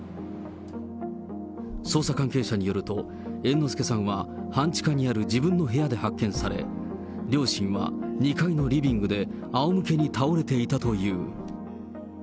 捜査関係者によると、猿之助さんは半地下にある自分の部屋で発見され、両親は２階のリビングで、あおむけに倒れていたという。